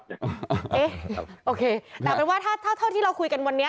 เอ๊ะโอเคแต่แต่ว่าถ้าที่เราคุยกันวันนี้